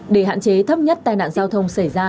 để hạn chế thấp nhất tai nạn giao thông xảy ra